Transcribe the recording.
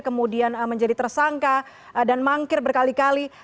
kemudian menjadi tersangka dan mangkir berkali kali